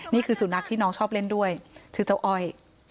นี่คือสุนัขที่น้องชอบเล่นด้วยชื่อเจ้าอ้อย